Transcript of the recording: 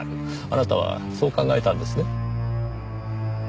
あなたはそう考えたんですね？